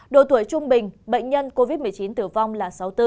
độ tuổi trung bình bệnh nhân covid một mươi chín tử vong là sáu mươi bốn